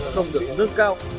đồng lực nâng cao